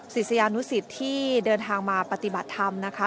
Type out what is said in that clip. ศิษยานุสิตที่เดินทางมาปฏิบัติธรรมนะคะ